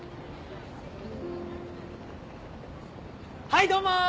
はいどうも！